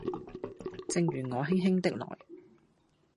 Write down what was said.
正如我輕輕的來